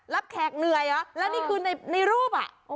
ลาฟแขกเหนื่อยอ่ะแล้วนี่คืองารูปน่ะ